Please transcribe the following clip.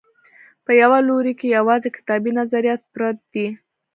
په یوه لوري کې یوازې کتابي نظریات پرت دي.